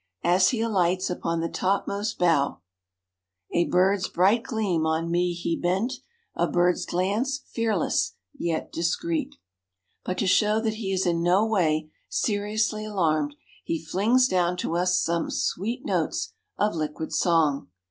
As he alights upon the topmost bough— "A bird's bright gleam on me he bent, A bird's glance, fearless, yet discreet," but to show that he is in no way seriously alarmed he flings down to us some sweet notes of liquid song.